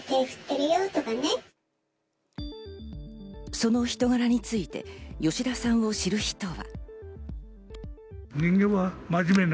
その人柄について吉田さんを知る人は。